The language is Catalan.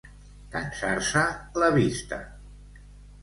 Cansar-se la vista.